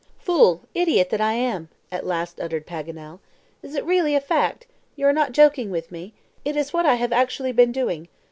"Fool, idiot, that I am!" at last uttered Paganel. "Is it really a fact? You are not joking with me? It is what I have actually been doing?